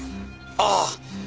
ああ！